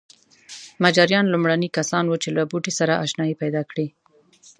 مجاریان لومړني کسان وو چې له بوټي سره اشنايي پیدا کړې.